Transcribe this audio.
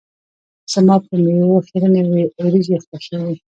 زما په میو خیرنې وريژې خوښیږي.